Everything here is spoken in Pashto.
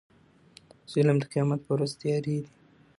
ظلم د قيامت په ورځ تيارې دي